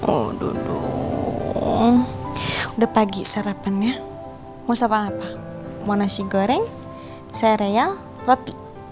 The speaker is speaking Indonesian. udah pagi sarapan ya mau soal apa mau nasi goreng sereal roti